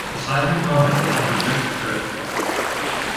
The seismic moment is not restricted to earthquakes.